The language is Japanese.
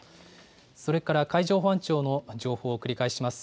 それから海上保安庁の情報を繰り返します。